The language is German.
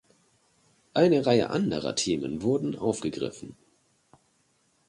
Eine Reihe anderer Themen wurden aufgegriffen.